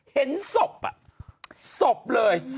เห็นศพศพเลย